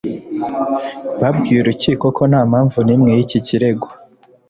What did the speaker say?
babwiye urukiko ko nta mpamvu n’imwe y’iki kirego